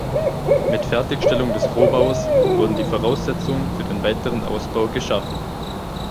Mit Fertigstellung des Rohbaus wurden die Voraussetzungen für den weiteren Ausbau geschaffen.